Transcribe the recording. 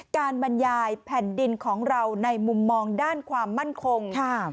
บรรยายแผ่นดินของเราในมุมมองด้านความมั่นคง